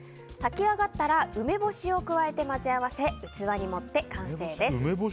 炊き上がったら梅干しを加えて混ぜ合わせ器に盛って完成です。